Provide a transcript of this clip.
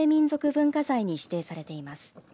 文化財に指定されています。